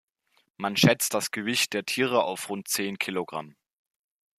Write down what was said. Man schätzt das Gewicht der Tiere auf rund zehn Kilogramm.